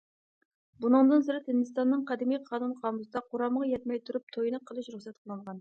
بۇنىڭدىن سىرت، ھىندىستاننىڭ قەدىمىي قانۇن قامۇسىدا قۇرامىغا يەتمەي تۇرۇپ تويىنى قىلىش رۇخسەت قىلىنغان.